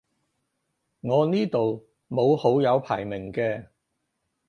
我呢度冇好友排名嘅